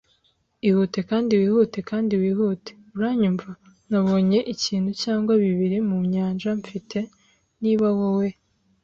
ihute kandi wihute kandi wihute. Uranyumva? Nabonye ikintu cyangwa bibiri mu nyanja, mfite. Niba wowe